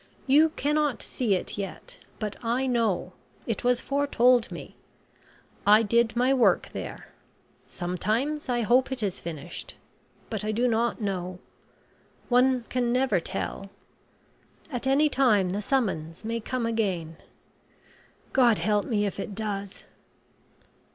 "You cannot see it yet; but I know it was foretold me. I did my work there. Sometimes I hope it is finished; but I do not know. One can never tell; at any time the summons may come again. God help me if it does."